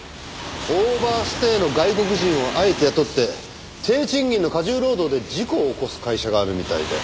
オーバーステイの外国人をあえて雇って低賃金の過重労働で事故を起こす会社があるみたいで。